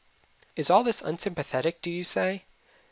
Is all this unsympathetic, do you say?